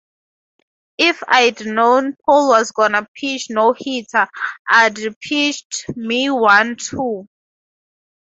If I'da known Paul was gonna pitch a no-hitter, I'da pitched me one too.